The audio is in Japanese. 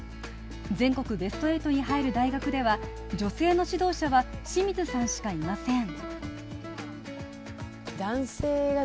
全国ベスト８に入る大学では、女性の指導者は清水さんしかいません。